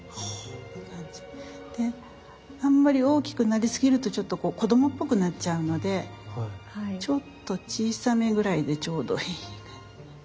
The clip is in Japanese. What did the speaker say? であんまり大きくなりすぎると子供っぽくなっちゃうのでちょっと小さめぐらいでちょうどいい。